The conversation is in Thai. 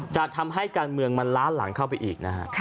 จะทำให้การเมืองมันล้าหลังเข้าไปอีกนะฮะ